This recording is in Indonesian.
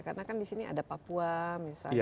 karena kan di sini ada papua misalnya